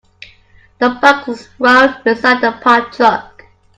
The box was thrown beside the parked truck.